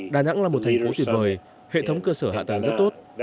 đà nẵng là một thành phố tuyệt vời hệ thống cơ sở hạ tầng rất tốt